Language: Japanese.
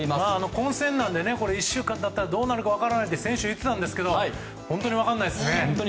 混戦なので１週間経ったらどうなるか分からないって先週言ってたんですけど本当に分からないですね。